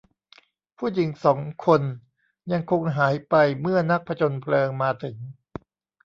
ผู้หญิงสองคนยังคงหายไปเมื่อนักผจญเพลิงมาถึง